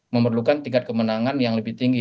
memerlukan tingkat kemenangan yang lebih tinggi